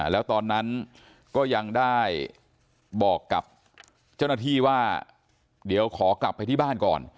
แล้วตอนนั้นก็ยังได้บอกกับเจ้าหน้าที่ว่าเดี๋ยวขอกลับไปที่บ้านก่อน